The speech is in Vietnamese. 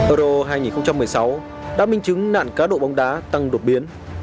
euro hai nghìn một mươi sáu đã minh chứng nạn cá độ bóng đá tăng đột biến